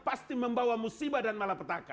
pasti membawa musibah dan malapetaka